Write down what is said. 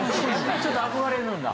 ちょっと憧れるんだ？